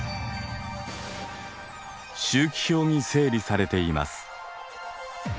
周期表に整理されています。